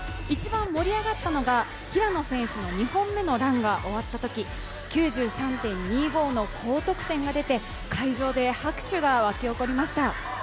一番盛り上がったのが、平野選手の２本目のランが終わったとき、９３．２５の高得点が出て会場で拍手が沸き起こりました。